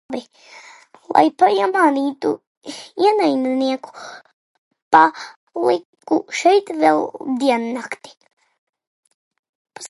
Lai piemānītu ienaidnieku, paliku šeit vēl diennakti.